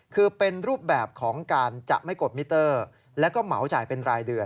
คือเป็นรูปแบบของการจะไม่กดมิเตอร์แล้วก็เหมาจ่ายเป็นรายเดือน